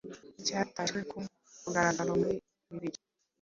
cyatashywe ku mugaragaro muri bibiri